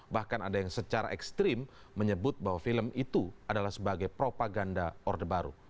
bahkan ada yang secara ekstrim menyebut bahwa film itu adalah sebagai propaganda orde baru